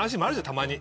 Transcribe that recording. たまに。